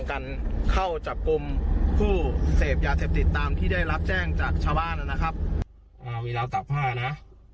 ไอ้พี่เสพยาไหมอาจารย์ตรง